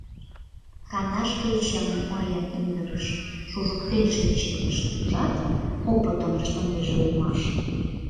Кандаш кечым мыйым индырыш, шужыктен шинчыктышт Ужат, опытым ыштынеже улмаш.